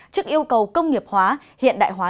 trước yêu cầu công nghiệp hóa hiện đại hóa